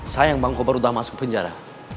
sayang bang kobar sudah masuk penjara